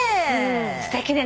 すてきね。